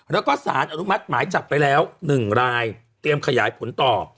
แล้วก็สารอนุมัติหมายจับไปแล้ว๑รายเตรียมขยายผลต่อ